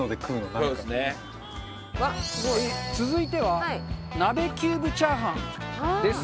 中丸：続いては鍋キューブチャーハンです。